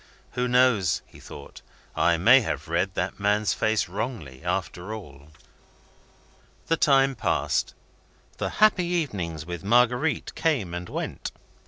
"Who knows?" he thought. "I may have read that man's face wrongly, after all." The time passed the happy evenings with Marguerite came and went.